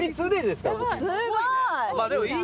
すごい！